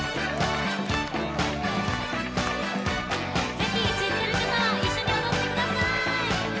是非、知っている方は一緒に踊ってください。